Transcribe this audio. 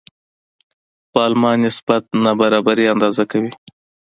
پالما نسبت نابرابري اندازه کوي.